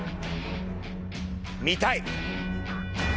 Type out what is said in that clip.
見たい。